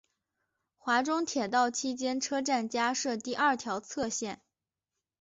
华中铁道期间车站加设第二条侧线。